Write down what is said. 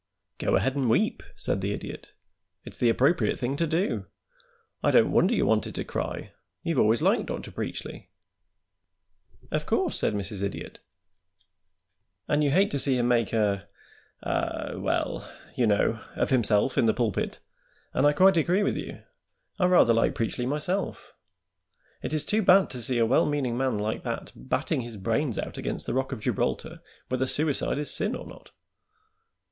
"Go ahead and weep," said the Idiot; "it's the appropriate thing to do. I don't wonder you wanted to cry; you've always liked Dr. Preachly." "Of course," said Mrs. Idiot. "And you hate to see him make a ah a well, you know of himself in the pulpit; and I quite agree with you. I rather like Preachly myself. It is too bad to see a well meaning man like that batting his brains out against the rock of Gibraltar, whether suicide is sin or not.